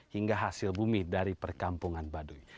hingga hasil bumi dari perkampungan baduy